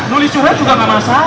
nulis curhat juga gak masalah